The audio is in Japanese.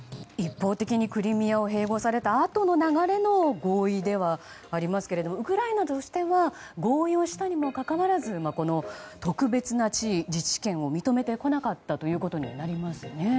一方的にクリミアを併合された後の流れの合意ではありますけれどもウクライナとしては合意をしたにもかかわらず特別な地位、自治権を認めてこなかったということになりますね。